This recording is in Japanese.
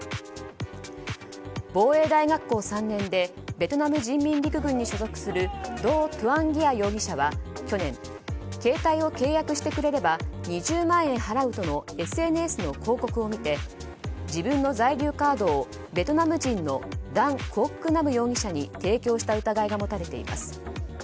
防衛大学校３年でベトナム人民陸軍に所属するドー・トゥアン・ギア容疑者は去年、携帯を契約してくれれば２０万円払うとのＳＮＳでの広告を見て自分の在留カードをベトナム人のダン・クオック・ナム容疑者に提供した疑いが持たれています。